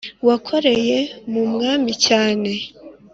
wakoreye mu Mwami cyane